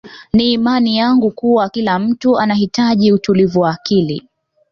Ni imani yangu kuwa kila mtu anahitaji utulivu wa akili